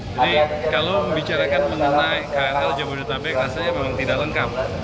jadi kalau membicarakan mengenai krl jabodetabek rasanya memang tidak lengkap